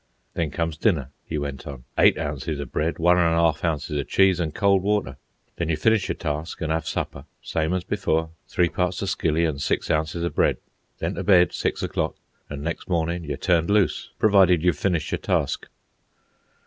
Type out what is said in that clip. "Then comes dinner," he went on. "Eight ounces of bread, one and a arf ounces of cheese, an' cold water. Then you finish your task an' 'ave supper, same as before, three parts o' skilly an' six ounces o' bread. Then to bed, six o'clock, an' next mornin' you're turned loose, provided you've finished your task."